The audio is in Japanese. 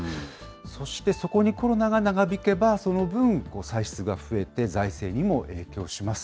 そしてそこにコロナが長引けば、その分、歳出が増えて、財政にも影響します。